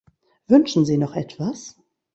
Wünschen Sie noch etwas?